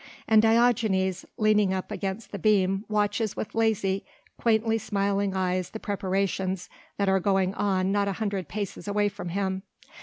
And Diogenes leaning up against the beam watches with lazy quaintly smiling eyes the preparations that are going on not a hundred paces away from him.